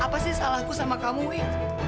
apa sih salahku sama kamu nih